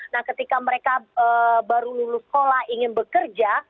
nah ketika mereka baru lulus sekolah ingin bekerja